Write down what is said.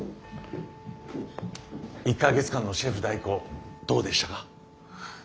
１か月間のシェフ代行どうでしたか？